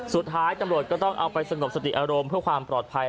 สุดท้ายตำรวจก็ต้องเอาไปสงบสติอารมณ์เพื่อความปลอดภัย